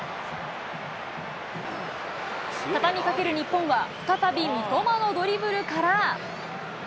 畳みかける日本は再び三笘のドリブルから。